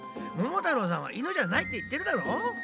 ももたろうさんはイヌじゃないっていってるだろ！